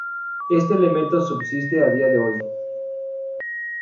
Este elemento subsiste a día de hoy.